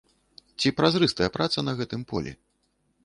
Ці празрыстая праца на гэтым полі?